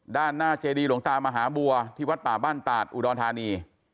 ด้านหน้าเจดีหลวงตามหาบัวที่วัดป่าบ้านตาดอุดรธานี